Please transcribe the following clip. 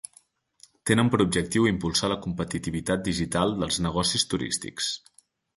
Tenen per objectiu impulsar la competitivitat digital dels negocis turístics.